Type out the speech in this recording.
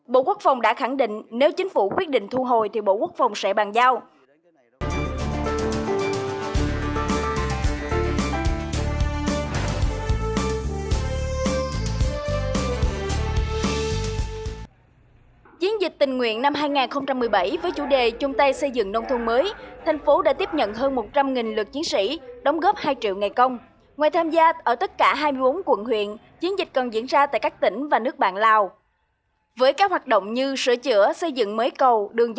bộ quốc phòng đã khẳng định nếu chính phủ quyết định thu hồi thì bộ quốc phòng sẽ bàn giao